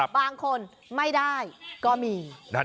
บางคนไม่ได้ก็มี